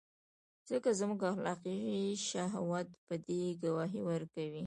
ځکه زموږ اخلاقي شهود په دې ګواهي ورکوي.